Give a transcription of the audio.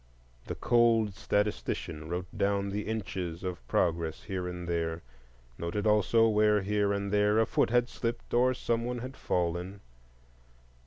The cold statistician wrote down the inches of progress here and there, noted also where here and there a foot had slipped or some one had fallen.